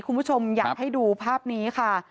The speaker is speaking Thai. คุณผู้ชมอยากให้ดูภาพนี้ค่ะ